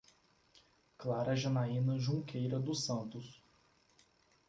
Clara Janayna Junqueira dos Santos